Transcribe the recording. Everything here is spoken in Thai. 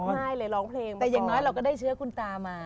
ไม่เลยร้องเพลงแต่อย่างน้อยเราก็ได้เชื้อคุณตามา